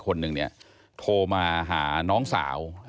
คนหนึ่งโทรมาหาน้องสาว